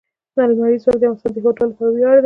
لمریز ځواک د افغانستان د هیوادوالو لپاره ویاړ دی.